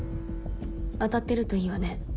当たってるといいわね